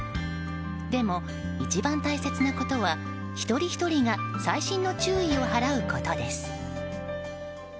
でも、一番大切なことは一人ひとりが細心の注意を払うことです。